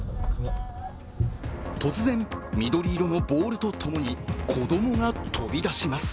突然、緑色のボールとともに子供が飛び出します。